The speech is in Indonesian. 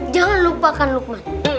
jangan lupakan lukman